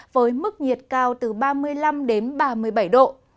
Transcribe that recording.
với mức nhiệt cao từ ba mươi ba mươi năm độ